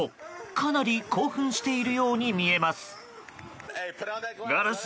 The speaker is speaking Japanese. かなり興奮しているように見えます。